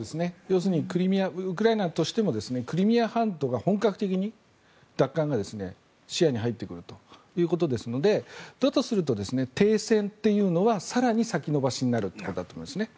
要するにウクライナとしてもクリミア半島が本格的に奪還が視野に入ってくるということですのでだとすると、停戦というのは更に先延ばしになると思いますね。